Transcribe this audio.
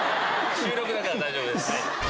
収録だから大丈夫です。